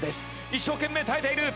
一生懸命耐えている。